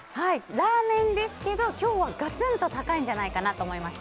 ラーメンですけど今日はガツンと高いんじゃないかなと思いました。